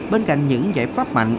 bên cạnh những giải pháp mạnh